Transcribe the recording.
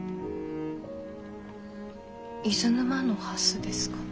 伊豆沼の蓮ですか？